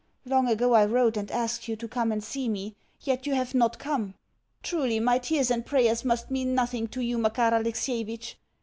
Long ago I wrote and asked you to come and see me, yet you have not come. Truly my tears and prayers must mean NOTHING to you, Makar Alexievitch!